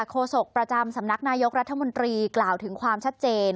โศกประจำสำนักนายกรัฐมนตรีกล่าวถึงความชัดเจน